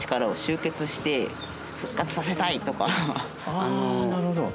ああなるほど。